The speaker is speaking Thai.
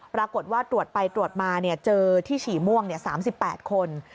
ปรากฏว่าตรวจไปตรวจมาเจอที่ฉี่ม่วง๓๘คน